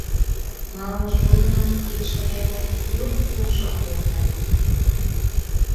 Малымыж годымат кидше дене трук лупшал колта.